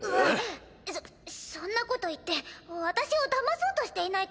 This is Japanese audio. そそんなこと言って私を騙そうとしていないか？